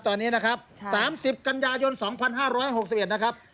ตอนนี้นะครับ๓๐กันยายน๒๕๖๑นะครับ